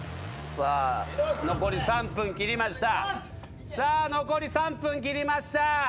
さあ残り３分切りました。